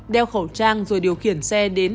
đeo khẩu trang rồi điều khiển xe đến